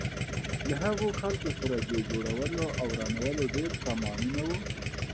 له هغو خلکو سره د جوړولو او ورانولو ډېر سامانونه وو.